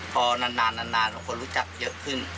พอนานของคนรู้จักเยอะขึ้น